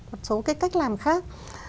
một số cách làm khác